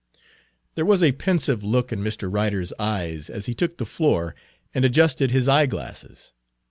There was a pensive look in Mr. Ryder's eyes as he took the floor and adjusted his eyeglasses.